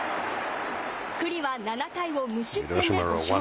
九里は７回を無失点で５勝目。